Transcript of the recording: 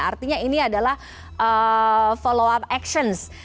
artinya ini adalah follow up actions